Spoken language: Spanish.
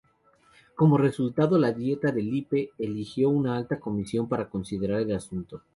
Como resultado la Dieta de Lippe eligió una alta comisión para considerar el asunto.